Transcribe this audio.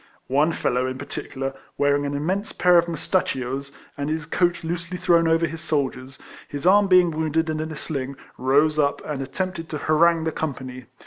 One fellow, in particular, wearing an immense pair of mustachios, and his coat loosely thrown over his shoulders, his arm being wounded, and in a sling, rose up, and attempted to harangue the company.